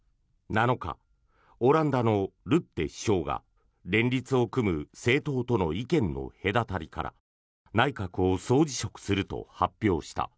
７日、オランダのルッテ首相が連立を組む政党との意見の隔たりから内閣を総辞職すると発表した。